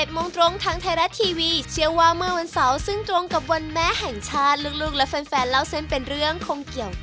ปรมาจารย์นี่มาจากไหนเนี่ย